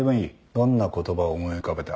どんな言葉を思い浮かべた？